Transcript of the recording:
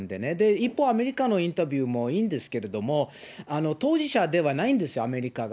一方、アメリカのインタビューもいいんですけれども、当事者ではないんですよ、アメリカは。